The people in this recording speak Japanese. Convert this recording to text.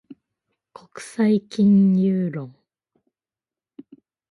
国際金融論